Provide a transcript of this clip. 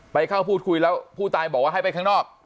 ไปเข้าพูดคุยแล้วผู้ตายบอกว่าให้ไปข้างนอก